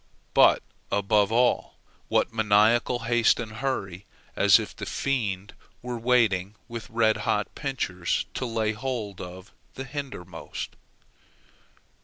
But, above all, what maniacal haste and hurry, as if the fiend were waiting with red hot pincers to lay hold of the hindermost!